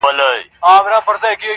پاس د وني په ښاخونو کي یو مار وو-